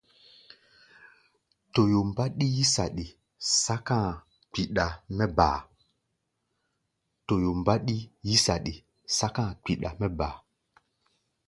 Toyo mbáɗí yí-saɗi, sɛ́ka a̧ kpiɗa mɛ́ ba.